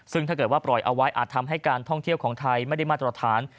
ซึ่งถ้าเกิดว่าปล่อยเอาไว้อาจทำให้การท่องเที่ยวของไทยไม่ได้มาตรฐาน